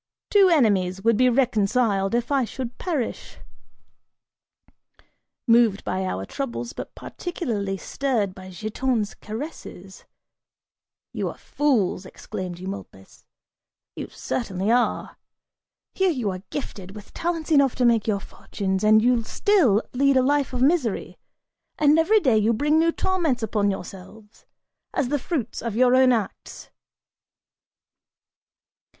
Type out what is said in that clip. Two enemies would be reconciled if I should perish!" (Moved by our troubles, but particularly stirred by Giton's caresses, "You are fools," exclaimed Eumolpus, "you certainly are: here you are gifted with talents enough to make your fortunes and you still lead a life of misery, and every day you bring new torments upon yourselves, as the fruits of your own acts!)"